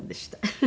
フフ。